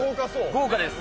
豪華です。